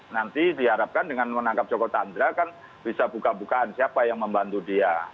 nanti diharapkan dengan menangkap joko chandra kan bisa buka bukaan siapa yang membantu dia